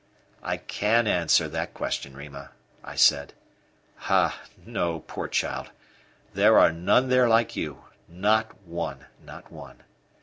"I can answer that question, Rima," I said. "Ah, no, poor child, there are none there like you not one, not one.